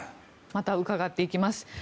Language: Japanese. また伺っていきます。